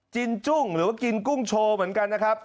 จุ้งหรือว่ากินกุ้งโชว์เหมือนกันนะครับ